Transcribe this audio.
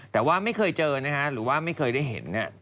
แต่ว่าไม่เคยเจอนะฮะหรือว่าไม่เคยได้เห็น